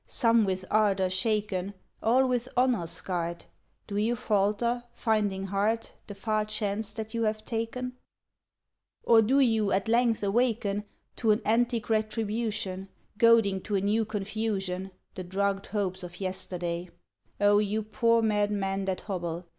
Some with ardor shaken, All with honor scarred, Do you falter, finding hard The far chance that you have taken ? [17| "Or, do you at length awaken To an antic retribution, Goading to a new confusion The drugged hopes of yesterday? O you poor mad men that hobble.